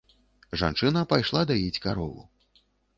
Жанчына пайшла даіць карову.